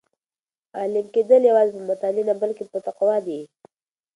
عالم کېدل یوازې په مطالعې نه بلکې په تقوا دي.